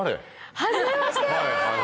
はじめまして。